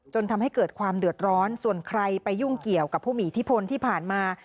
จนทำให้เกิดความเดือดร้อนส่วนใครไปยุ่งเกี่ยวกับผู้มีอิทธิพลที่ผ่านมา